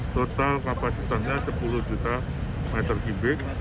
total kapasitasnya sepuluh juta meter kubik